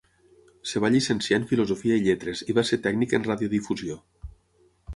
Es va llicenciar en filosofia i lletres i va ser tècnic en radiodifusió.